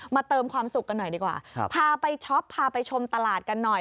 เติมความสุขกันหน่อยดีกว่าครับพาไปช็อปพาไปชมตลาดกันหน่อย